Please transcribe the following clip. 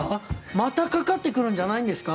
またかかってくるんじゃないんですか？